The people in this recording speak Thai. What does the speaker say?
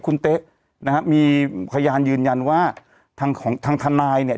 คุณเต๊ะนะฮะมีพยานยืนยันว่าทางของทางทนายเนี่ย